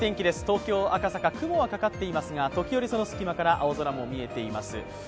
東京・赤坂、雲はかかっていますが、時折、その隙間から青空も見えています。